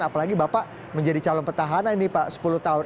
apalagi bapak menjadi calon petahana ini pak sepuluh tahun